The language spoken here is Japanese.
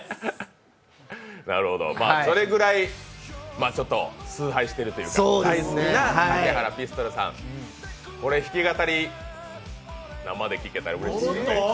それぐらい崇拝しているというか大事な竹原ピストルさん、竹原ピストルさん、弾き語り、生で聴けたらうれしいですよね。